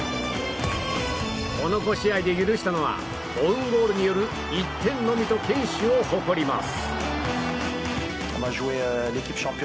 この５試合で許したのはオウンゴールによる１点のみと堅守を誇ります。